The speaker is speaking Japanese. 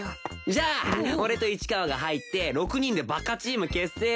じゃあ俺と市川が入って６人でバカチーム結成だな。